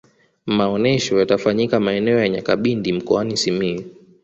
maonyesho yatafanyika maeneo ya nyakabindi mkoani simiyu